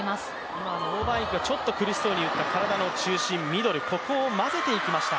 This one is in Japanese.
今の王曼イクがちょっと苦しそうに打った体の中心、ミドルここを混ぜていきました。